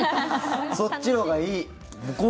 そっちのほうがいい。